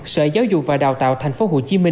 sở giáo dục và đào tạo tp hcm